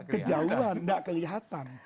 kejauhan tidak kelihatan